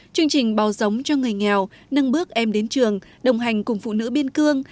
chương trình bào giống cho người nghèo nâng bước em đến trường đồng hành cùng phụ nữ biên cương